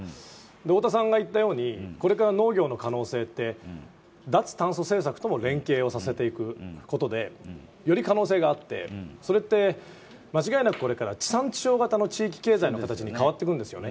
太田さんが言ったようにこれから農業の可能性って脱炭素政策とも連携をさせていくことでより可能性があってそれって間違いなくこれから地産地消型の地域経済の形に変わっていくんですよね。